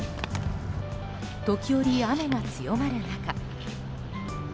時折、雨が強まる中。